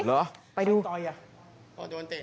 หรือมันต้อยอ่ะค่อยเตะ